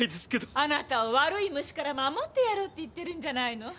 あなたを悪い虫から守ってやろうって言ってるんじゃないの。